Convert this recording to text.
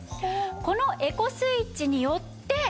このエコスイッチによって。